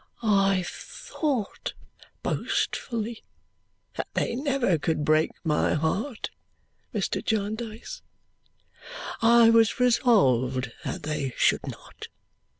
"I thought, boastfully, that they never could break my heart, Mr. Jarndyce. I was resolved that they should not.